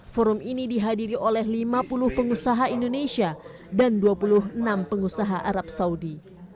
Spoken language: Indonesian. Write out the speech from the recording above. forum ini dihadiri oleh lima puluh pengusaha indonesia dan dua puluh enam pengusaha arab saudi